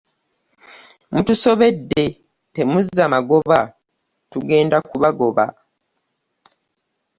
Mutusobedde temuzza magoba tugenda kubagoba .